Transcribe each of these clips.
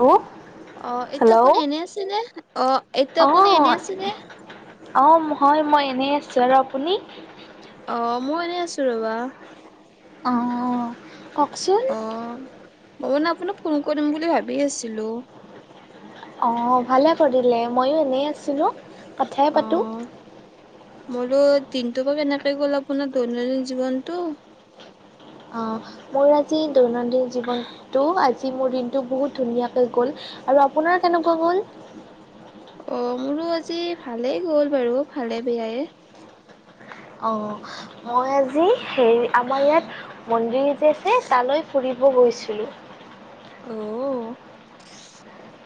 Hello. অ', এইটো hello phone এনেই আছিলে, অ', এইটো আপুনি এনে অ', আছিলে নে? অ', মই এনে আছো, আৰু আপুনি? অ', ময়ো এনেই আছো ৰ'বা। অ', কওকচোন। অ', ময়ো আপোনাক ফোন কৰিম বুলি ভাবি আছিলো। অ ভালে কৰিলে, ময়ো এনেই আছিলোঁ। কথাই পাতোঁ। অ'। মোৰো দিনটো বা কেনেকে গ'ল আপোনাৰ দৈনন্দিন জীৱনটো। মোৰ আজি দৈনন্দিন জীৱনটো, আজি মোৰ দিনটো বহুত ধুনীয়াকৈ গ'ল। আৰু আপোনাৰ কেনেকুৱা গ'ল? অ', মোৰো আজি ভালেই গ'ল বাৰু, ভালে বেয়াই। অ, মই আজি হেৰি, আমাৰ ইয়াত মন্দিৰ যে আছে, তালৈ ফুৰিব গৈছিলোঁ। অহ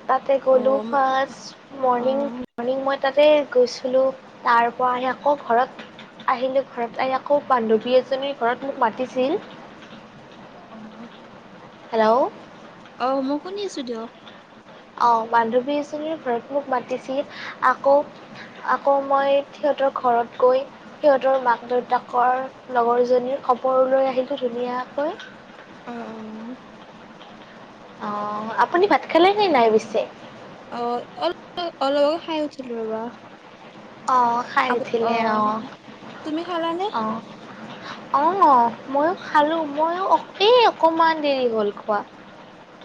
তাতে গলোঁ ফাৰ্ষ্ট। অ মৰ্ণিং, মৰ্ণিং মই তাতে গৈছিলো, তাৰ পৰা আহি, আকৌ ঘৰত আহিলো, ঘৰত আহি আকৌ বান্ধৱী এজনীৰ ঘৰত মোক মাতিছিল। অ'। [unintelligible] হেল্ল'। অঁ, মই শুনি আছোঁ দিয়ক। অঁ, বান্ধৱী এজনীৰ ঘৰত মোক মাতিছিল, আকৌ আকৌ মই, সিহঁতৰ ঘৰত গৈ সিহঁতৰ মাক দেউতাকৰ লগৰজনীৰ খবৰ লৈ আহিলো ধুনীয়াকৈ। অ অ', আপুনি ভাত খালে নে নাই, পিছে? অ', অলপ, আগত খাই উঠিলো ৰবা। অ', খাই উঠিলে অ', তুমি খালানে অ',। অ', মইও খালো। মইও এ অকমান দেৰি হ'ল, খোৱা।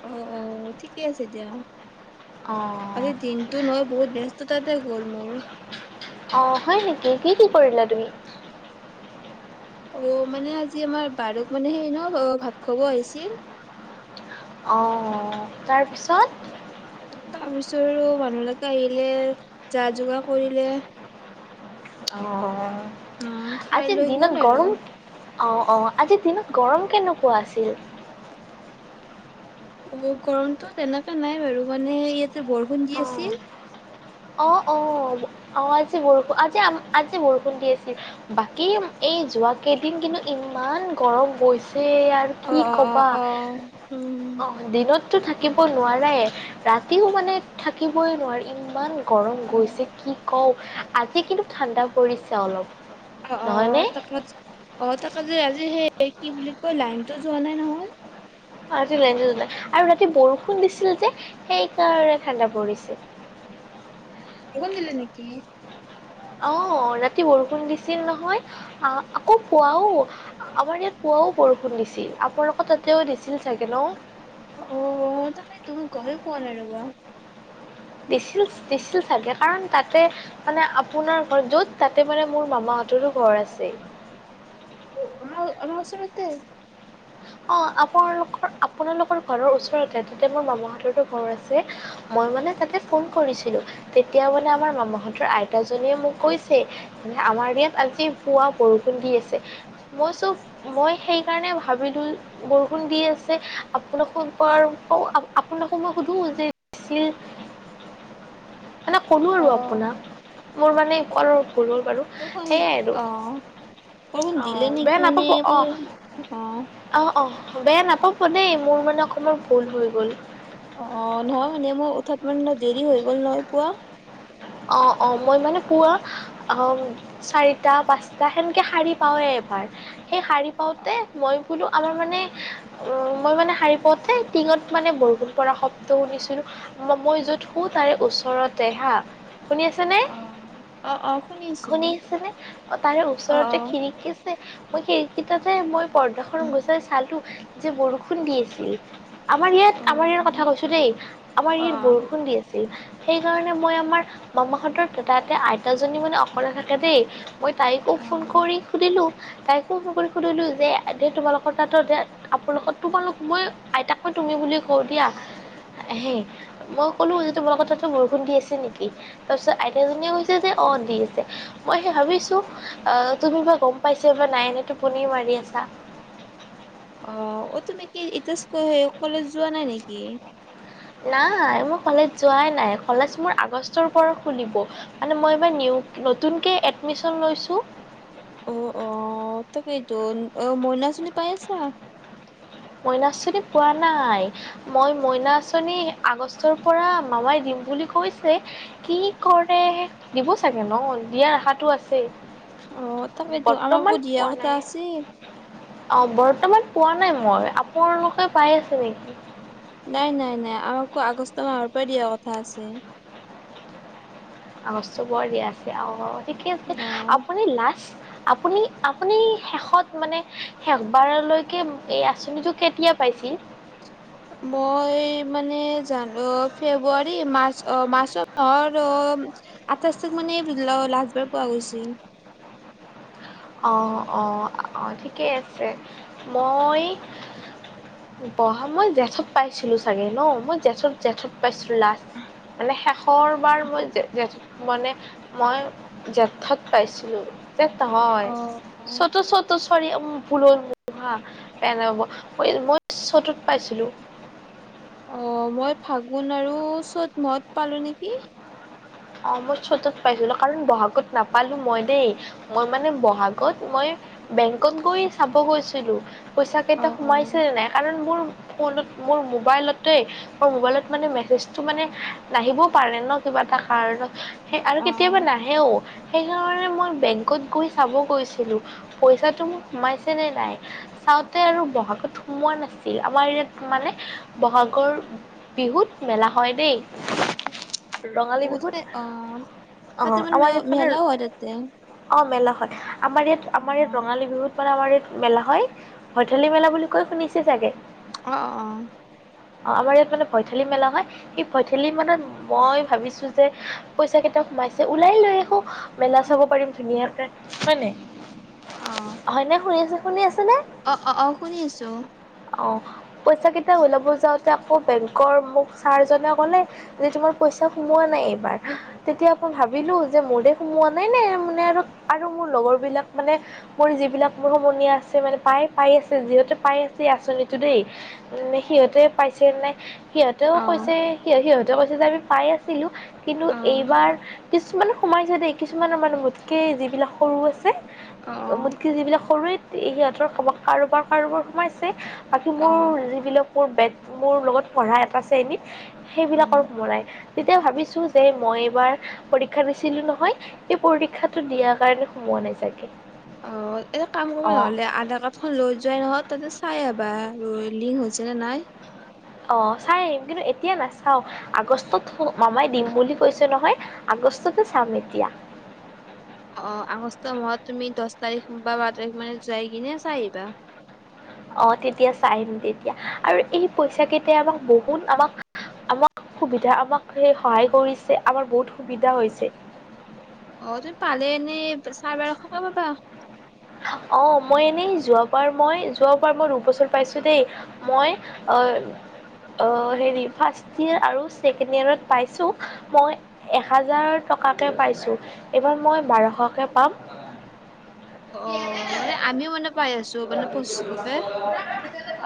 অঁ', অ', ঠিকে আছে দিয়া। অঁ আজি দিনতো নহ, বহুত ব্যস্ততাতে গ'ল মোৰ। অ', হয় নেকি? কি কি কৰিলা তুমি?। অ', মানে আজি আমাৰ বাৰুক মানে, সেই ন', ভাত খাব আহিছিল। অ', তাৰপিছত। তাৰ পিছৰ মানুহ বিলাকে আহিলে, যা যোগাৰ কৰিলে। অ', উম খাই আজি লৈ গ'ল দিনত আৰু গৰম, অ', অ', আজি দিনত, গৰম কেনেকুৱা আছিল? অ' গৰমটো তেনেকুৱে নাই বাৰু, মানে ইয়াতে, বৰষুণ দি আছিল। অ', অ', আতচা বৰষুন, আতচা-আতচা বৰষুণ, দি আছিল। বাকী, এই যোৱ কেইদিন কিন্তু, ইমান গৰম গৈছে আৰু, কি অ' অ' অ' কবা, অ' উম অ',। দিনততো থাকিব নুৱাৰায়ে, ৰাতিও মানে থাকিবই নোৱাৰে। ইমান, গৰম গৈছে কি কওঁ, আজি কিন্তু, ঠাণ্ডা পৰিছে অলপ। অ', নহয়নে অ', তাক, অ', তাত যে, আজি সেই কি বুলি কয়, লাইনতো যোৱা নাই নহয়। অঁ আজি লাইনটো যোৱা নাই। আৰু ৰাতি বৰষুণ দিছিল যে, সেইকাৰণে ঠাণ্ডা পৰিছে। বৰষুণ দিলে নেকি?। অঁ', ৰাতি বৰষুণ দিছিল নহয়। আহ' আকৌ পোৱাও। আমাৰ ইয়াত পুৱাও বৰষুণ দিছিল। আপোনালোকৰ তাতেও দিছিল চাগে ন'? অ', তুমি গমে পোৱা নাই, ৰবা। দিছিল-দিছিল চাগে। কাৰণ তাতে, মানে আপোনাৰ ঘৰ য'ত, তাতে মানে, মোৰ মামাহঁতৰো ঘৰ আছে। ভাল, অ', ওচৰতে। অ', আপোনালোকৰ, আপোনালোকৰ ঘৰৰ ওচৰতে, তাতে মোৰ মামাহতৰো ঘৰ আছে। মই মানে তাতে ফোন কৰিছিলো। তেতিয়া মানে আমাৰ মামাহঁতৰ, আইতাজীয়ে মোক কৈছে। যে আমাৰ ইয়াত আজি, পুৱা বৰষুণ দি আছে। মই টো, মই সেইকাৰণে ভাবিলো। বৰষুণ দি আছে, আপোনালোকৰ, আপোনলোকক সুধো, নে ছিল। [inaudible] মানে কলো আৰু অ' আপোনাক। মোৰ মানে কোৱাটো ভুল হ'ল বাৰু, সেইয়াই আৰু। অলপ অঁ দিলে নেকি মানে এইবোৰ, আ অ', অ', বেয়া নাপাব দেই, মোৰ মানে অকমান ভুল হৈ গ'ল। অ', নহয় মানে মোৰ উঠাত মানে দেৰি হৈ গ'ল, নহয় পুৱা। অ', অ', মই মানে পুৱা, অম চাৰিটা পাঁচটা, সেনেকে শাৰী পাওৱে এবাৰ। সেই শাৰী পাওঁতে, মই বোলো আমাৰ মানে, মই মানে সাৰী পাওঁতে, টিঙত মানে বৰষুণ পৰা, শব্দ শুনিছিলোঁ। ম মই যত সোঁ, তাৰে ওচৰতে হা। শুনি আছে নে? অ অ অ আছো শুনি আছে নে? অ', তাৰে অ ওচৰতে খিৰিকী মই সেইকেইটাতে, মই পৰ্দাখন গুচাই চালো যে বৰষুণ দি আছিল। আমাৰ ইয়াত, অ আমাৰ ইয়াৰ কথা কৈছো দেই। আমাৰ অ অ ইয়াত, বৰষুণ দি আছিল। সেইকাৰণে মই আমাৰ, মামাহঁতৰ তাতে আইতাজনী মানে অকলে থাকে দেই। মই, তাইকো অ ফোন কৰি সুধিলোঁ। তাইকো ফোন কৰি সুধিলোঁ যে, আজি তোমালোকৰ তাতো আপোনালোকৰ তোমালোক মই আইতাকো তুমি বুলি কওঁ দিয়া। হে মই ক'লো যে তোমালাকৰ তাতে বৰষুণ দি আছে নেকি? তাৰপিছত আইতাজীয়ে কৈছে যে অঁ দি আছে। মই সেই ভাবিছো অঁ তুমি বা গম পাইছ বা নাই এনেই টোপনি মাৰি আছা। অঁ, অঁ তুমি কি এতিয়া কলেজ যোৱা নাই নেকি? নাই মই কলেজ যোৱাই নাই কলেজ মোৰ আগষ্টৰ পৰা খুলিব। মানে মই এইবাৰ নতুনকে এডমিচন লৈছো। অঁ অঁ তেকেইটো, অঁ মইনা আছনি পাই আছা? মইনা আঁচনি পোৱা নাই। মই মইনা আঁচনি আগষ্টৰ পৰা মামাই দিম বুলি কৈছে। কি কৰে দিব চাগে ন দিয়াৰ আশাটো আছেই। অ তাকেইতো আমাকো বৰ্তমান দিয়া পোৱা কথা নাই। আছিল অঁ বৰ্তমান পোৱা নাই মই আপোনালোকে পাই আছে নেকি? নাই নাই নাই আমাকো আগষ্ট মাহৰ পৰাই দিয়া কথা আছে। আগষ্টৰ পৰা দিয়া আছে, অঁ অঁ ঠিকে আছে, অ আপুনি লাষ্ট, আপুনি আপুনি শেষত মানে শেষবাৰলৈকে এই আঁচনিটো কেতিয়া পাইছিল? মই মানে জানো ফেব্ৰুৱাৰী মাৰ্চ অ' মাৰ্চৰ মাহৰ আঠাইছ তাৰিখ মানে লা লাষ্টবাৰ পোৱা গৈছিল। অঁ অঁ অঁ ঠিকেই আছে, মই বহা মই জেঠত পাইছিলো চাগে ন মই জেঠত জেঠত পাইছিলো লাষ্ট। মানে শেষৰ বাৰ মই, জে জেঠ মানে মই জেঠত পাইছিলো যেঠ নহয় অ'। চত চ চৰি ভুল হা পই মই চতত পাইছিলো। অঁ মই ফাগুন আৰু চ'ত মাহত পালো নেকি। অঁ মই চতত পাইছিলো কাৰণ বহাগত নাপালো মই দেই। মই মানে বহাগত মই বেংকত গৈ চাব গৈছিলো। পইচাকেইটা অ', অ'। সোমাইছিল নাই কাৰণ মোৰ ফোনত মোৰ মোবাইলতে, ম মোবাইলত মানে মেছেজটো মানে নাহিবও পাৰে ন কিবা এটা, কাৰণত, আৰু সেই আৰু কেতিয়াবা অ' নাহে নাহেও, সেইকাৰণে মই বেংকত গৈ চাব গৈছিলো। পইচাটো মোৰ সোমাইছে নে নাই। চাওঁতে আৰু বহাগত সোমোৱা নাছিল আমাৰ ইয়াত মানে বহাগৰ, বিহুত মেলা হয় দেই, ৰঙালী অঁ বিহু তাতে আ মান মে মানে মেলাও হয় তাতে। অঁ মেলা হয় আমাৰ ইয়াত অ', আমাৰ ইয়াত ৰঙালী বিহুত আমাৰ ইয়াত মেলা ভৈঠেলি মেলা বুলি কৈ শুনিছে চাগে। অঁ অঁ। অঁ আমাৰ ইয়াত মানে ভৈঠালি মেলা হয় সেই ভৈঠেলি মেলাত মই ভাবিছো যে যে পইচা কেইটা সোমাইছে ওলাই লৈ আহো মেলা চাব পাৰিম ধুনীয়াকে। হয় নে, হয়নে শুনি আছে শুনি আছে নে? অঁ অঁ অঁ, শুনি আছোঁ। অঁ পইচা কেইটা ওলাব যাওঁতে আকৌ বেংকৰ মোক ছাৰজনে ক'লে। যে তোমাৰ পইচা সোমোৱা নাই এইবাৰ। তেতিয়া আকৌ ভাবিলো যে মৰে সোমোৱাই নাই নে মানে আৰু আৰু মোৰ লগৰ বিলাক মানে মোৰ যিবিলাক মোৰ সমনীয়াই আছে মানে প্ৰায় পাই আছে যিহতে পাই আছে এই আঁচনিটো দেই। উম সিহঁতে পাইছিল নাই? সিহঁতেও অ', কৈছে সিহঁতেও কৈছে যে আমি পাই আছিলো কিন্তু অ', এইবাৰ কিছুমানে সোমাইছে দেই কিছুমানৰ মানে মোতকে যিবিলাক সৰু আছে অ', মোতকে যিবিলাক সৰু সিহঁতৰ কাৰোবাৰ কাৰোবাৰ সোমাইছে। বাকী অ', মোৰ যিবিলাক মোৰ ব মোৰ লগত পঢ়া এটা শ্ৰেণী সেইবিলাকৰ উম। সোমাই নাই তেতিয়া ভাবিছো যে মই এইবাৰ পৰীক্ষা দিছিলো নহয় সেই পৰীক্ষাটো দিয়াৰ কাৰণে সোমোৱা নাই চাগে অ এটা কাম কৰিব অঁ নহলে আধাৰ কাৰ্ড খন লৈ যোৱাই নহয় তাতে চাই আহিবা লিং হৈছে নে নাই? অ চাই আহিম কিন্তু এতিয়া নাচাওঁ। আগষ্টত মামাই দিম বুলি কৈছে নহয় আগষ্টতে চাম এতিয়া। অ আগষ্ট মাহত তুমি দহ তাৰিখ বা বাৰ তাৰিখ মানে যাই কিনে চাই আহিবা। অ তেতিয়া চাই আহিম তেতিয়া আৰু এই পইচা কেইটাই আমাক বহুত আমাক আমাক সুবিধা আমাক সেই সহায় কৰিছে আমাৰ বহুত সুবিধা হৈছে। অ তুমি পালে এনেই চাৰে বাৰশক পাবা। অ মই এনেই যোৱাবাৰ মই যোৱ বাৰ মই দুই বছৰ পাইছোঁ দেই। মই অ অ হেৰি ফাৰ্ষ্ট ইয়াৰ আৰু ছেকেণ্ড ইয়াৰত পাইছোঁ মই। এ হাজাৰ টকাকে পাইছো এইবাৰ অ', বাৰশকে পাম। মানে আমিও মানে পাই আছো মানে পঁচিছশকে।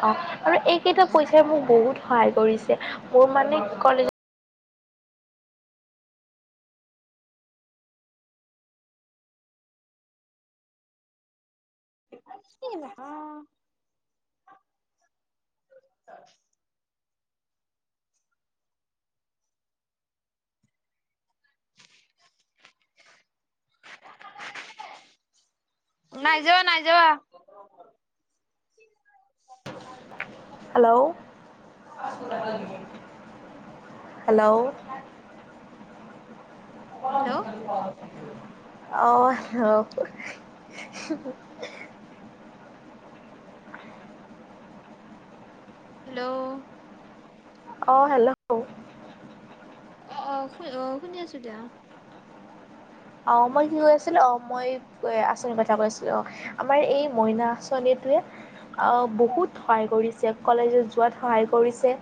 অ আৰু এই কেইটা পইচাই মোক বহুত সহায় কৰিছে মোৰ মানে কলেজৰ [inaudible] [inaudible] [inaudible] [inaudible] হেল্ল' হেল্ল' হেল্ল' [inaudible] হেল্ল'অ অ হেল্ল'অ। অ অ শু অ শুনি আছোঁ দিয়া। অ মই কি কয় আছিলো অ মই আঁচনিৰ কথা কৈছিলোঁ অ আমাৰ এই মইনা আঁচনি টোৱেই আহ বহুত সহায় কৰিছে কলেজত যোৱাত সহায় কৰিছে।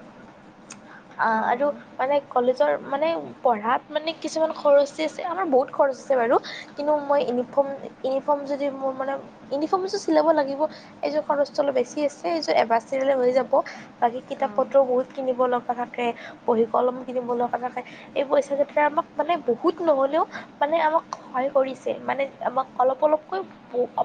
অ আৰু মানে কলেজৰ মানে পঢ়াত মানে কিছুমান খৰচী আছে আমাৰ বহুত খৰচ আছে বাৰু। কিন্তু মই ইউনিফৰ্ম ইউনিফৰ্ম যদি মোৰ মানে ইউনিফৰ্ম এযোৰ চিলাব লাগিব। এইযোৰ খৰচটো অলপ বেছি আছে এইযোৰ [unintelligible] হৈ যাব। বাকী কিতাপ অ'। পত্ৰও বহুত কিনিব লগা থাকে বহি কলম কিনিব লগা থাকে, এই পইচা কেইটাই আমাক মানে বহুত নহ'লেও মানে আমাক সহায় কৰিছে, মানে আমাক অলপ অলপকৈ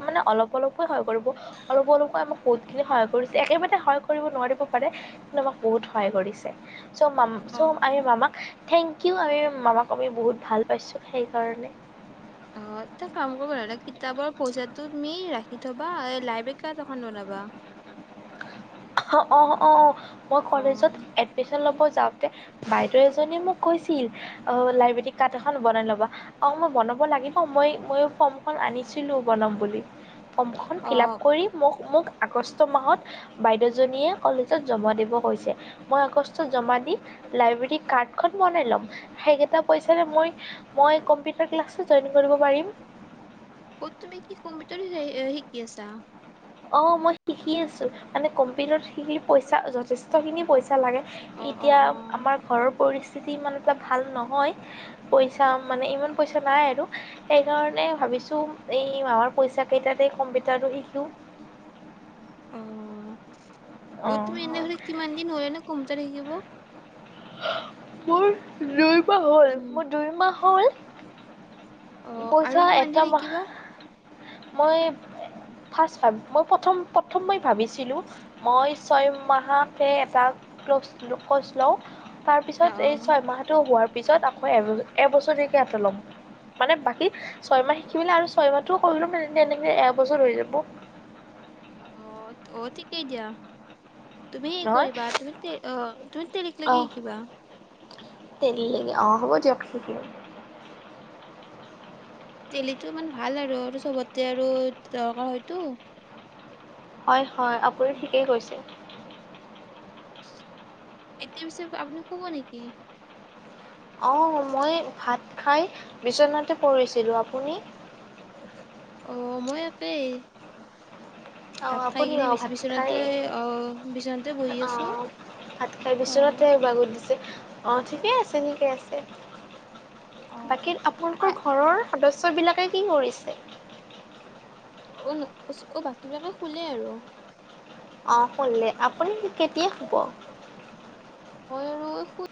মানে অলপ অলপ কৈ সহায় কৰিব, অলপ অলপকৈ আমাক বহুত খিনি সহায় কৰিছে একেবাৰে সহায় কৰিব নোৱাৰিব পাৰে। কিন্তু আমাক বহুত সহায় কৰিছে। চ' ম চ' অ'। আমি মামাক থেংক ইউ আমি মামাক আমি বহুত ভাল পাইছোঁ, সেই কাৰণে। অ', এটা কাম কৰিব নহ'লে কিতাপৰ পইচাটো তুমি ৰাখি থ'বা, এই লাইব্ৰেৰী কাৰ্ড এখন বনাবা। অ', অ', মই কলেজত অ'। এডমিশন ল'ব যাওঁতে। বাইদেউ এজনীয়ে মোক কৈছিল অ', লাইব্ৰেৰী কাৰা্ড এখন বনাই ল'বা। অ', মই বনাব লাগিব মই মইও ফৰ্মখন আনিছিলো বনাম বুলি। ফৰ্মখন ফিল আপ অ', কৰি মোক মোক আগষ্ট মাহত বাইদেউজনীয়ে কলেজত জমা দিব কৈছে। মই আগষ্টত জমা দি, লাইব্ৰেৰী কাৰ্ড খন বনাই ল'ম। সেইকেইটা পইচাৰে মই মই কম্পিউটাৰ ক্লাছটো জইন কৰিব পাৰিম। অ', তুমি কি কম্পিউটাৰ শিকি আছা? অ', মই শিকি আছো মানে কম্পিউটাৰত শিকি পইচা যথেষ্টখিনি পইচা লাগে। অ', অ', এতিয়া অ'। আমাৰ ঘৰৰ পৰিস্থিতি ইমান এটা ভাল নহয়। পইচা মানে ইমান পইচা নাই আৰু। সেই কাৰণে ভাবিছো, এই মাহৰ পইচা কেইটাৰে কম্পিউটাৰো শিকো। অ', অ', অঁ তুমি এনেদৰে কিমান দিন হ'লে ন' কম্পিউটাৰ শিকিব? মোৰ দুই মাহ হ'ল, মোৰ দুই মাহ হ'ল। অ আৰু পইচা কিমান দিন এটা মাহ শিকিবা মই ফাৰ্ষ্ট [unintelligible] মই প্ৰথম প্ৰথম মই ভাবিছিলো। মই ছয় মাহকে এটা কৰ্চ লওঁ। তাৰ অ পিছত এই ছয়মাহটো হোৱাৰ পিছত আকৌ এ-এবছৰীয়াকে এটা ল'ম, মানে বাকী ছয় মাহ শিকি মেলি আৰু ছয় মাহ টো কৰি ল'ম এনেকে এবছৰ হৈ যাব। অ', অ', থিকেই দিয়া। তুমি হেই নহয় কৰিবা তুমি অ', তুমি তেলিক লকে শিকিবা। তেলি ল'কে অ', হ'ব দিয়ক শিকিম। তেলিটো মানে ভাল আৰু আৰু চবতে আৰু দৰকাৰ হয়তো। হয়, হয়, আপুনি ঠিকেই কৈছে। এতিয়া পিছে আপুনি শুব নেকি? অ', মই ভাত খাই বিশ্বনাতে পৰিছিলো, আপুনি? অ', মই একেই। অ', ভাত খাই কিনে আপুনিও বিচ ভাত খাই বিচনাতে অ বিচনাতে বহি আছো অ'। ভাত খাই অ বিচনাতে বাগৰ দিছে অ', ঠিকে আছে ঠিকে আছে। অ বাকী আপোনালোকৰ ঘৰৰ সদস্য বিলাকে কি কৰিছে? অ', অ', বাকী বিলাকে শুলে আৰু। অ', শুলে, আপুনি কেতিয়া শুব? মই আৰু এই শুই